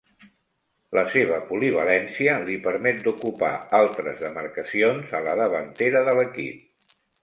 La seva polivalència li permet d'ocupar altres demarcacions a la davantera de l'equip.